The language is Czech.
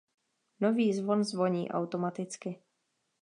Nový zvon zvoní automaticky.